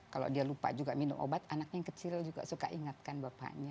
kalau dia lupa juga minum obat anaknya yang kecil juga suka ingatkan bapaknya